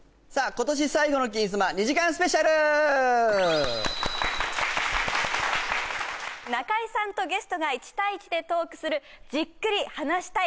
今年最後の「金スマ」２時間スペシャル中居さんとゲストが１対１でトークする「じっくり話したい」